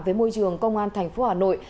với môi trường công an thành phố hà nội